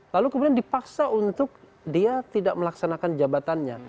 lalu kemudian dipaksa untuk dia tidak melaksanakan jabatannya